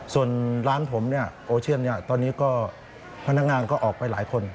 ส่วนร้านผมเนี่ยโอเชียนเนี่ยตอนนี้ก็พนักงานก็ออกไปหลายคน